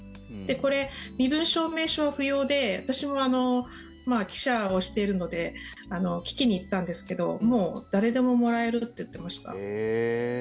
これ、身分証明書不要で私も記者をしているので聞きに行ったんですけどもう誰でももらえると言っていました。